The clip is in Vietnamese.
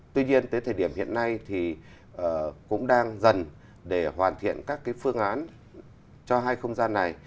tuy nhiên tới thời điểm hiện nay thì cũng đang dần để hoàn thiện các phương án cho hai không gian này